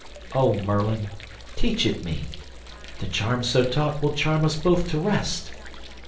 O Merlin, teach it me. The charm so taught will charm us both to rest.